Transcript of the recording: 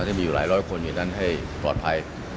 ที่มีอยู่หลายร้อยคนอยู่นั้นให้ปลอดภัย